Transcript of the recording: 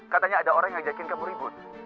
katanya ada orang yang ngajakin kamu ribut